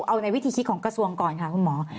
เอาในวิธีคิดของกระทรวงก่อนค่ะคุณหมอ